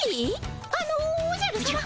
あのおじゃるさま。